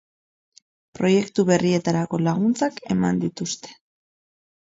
Proiektu berrietarako laguntzak eman dituzte.